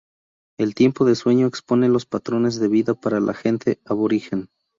El tiempo de sueño expone los patrones de vida para la gente aborigen.